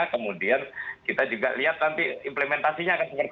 kemudian kita juga lihat nanti implementasinya akan seperti apa